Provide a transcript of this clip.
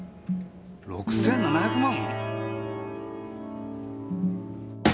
６７００万！？